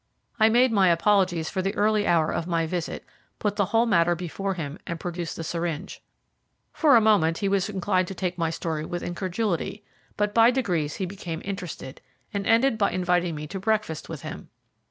I made my apologies for the early hour of my visit, put the whole matter before him, and produced the syringe. For a moment he was inclined to take my story with incredulity, but by degrees he became interested, and ended by inviting me to breakfast with him.